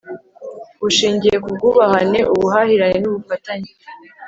bushingiye ku bwubahane, ubuhahirane n'ubufatanye